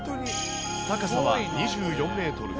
高さは２４メートル。